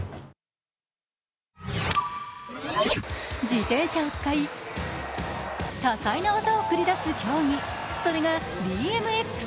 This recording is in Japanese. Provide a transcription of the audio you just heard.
自転車を使い、多彩な技を繰り出す競技、それがＢＭＸ。